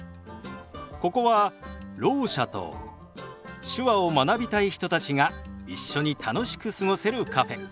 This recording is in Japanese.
ここはろう者と手話を学びたい人たちが一緒に楽しく過ごせるカフェ。